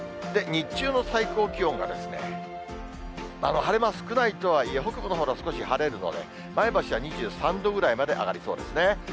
日中の最高気温が、晴れ間、少ないとはいえ、北部のほうでは晴れるので、前橋は２３度ぐらいまで上がりそうですね。